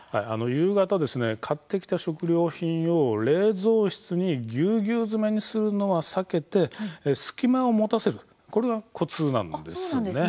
夕方、買ってきた食料品を冷蔵室にぎゅうぎゅう詰めにするのは避けて、隙間をもたせるこれがコツなんです。